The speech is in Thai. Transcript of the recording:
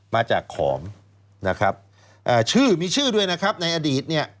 มาจากขอมชื่อมีชื่อด้วยนะครับในอดีต